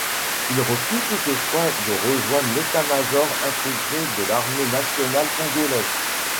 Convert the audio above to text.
Il refuse toutefois de rejoindre l’État-major intégré de l’armée nationale congolaise.